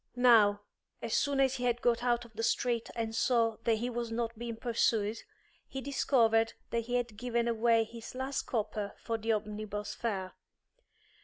Now, as soon as he had got out of the street and saw that he was not being pursued, he discovered that he had given away his last copper for the omnibus fare.